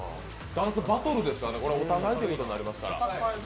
ダンスバトルですからお互いということになりますから。